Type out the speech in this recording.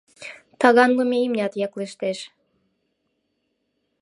Таганлыме имнят яклештеш